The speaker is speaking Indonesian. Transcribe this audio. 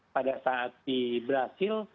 pada saat di brazil